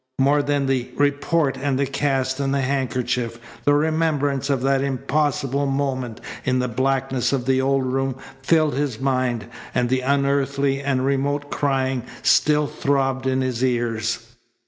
More than the report and the cast and the handkerchief, the remembrance of that impossible moment in the blackness of the old room filled his mind, and the unearthly and remote crying still throbbed in his ears.